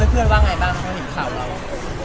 เพื่อนว่าไงบ้างพอเห็นข่าวเรา